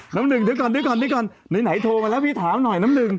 น้ำหนึ่งเดี๋ยวก่อนไหนโทรมาแล้วพี่ถามหน่อยน้ำหนึ่ง